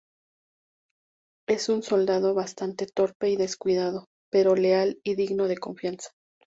Es un soldado bastante torpe y descuidado, pero leal y digno de confianza.